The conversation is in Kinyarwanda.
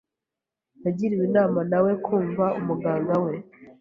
Yagiriwe inama na we kumva umuganga we.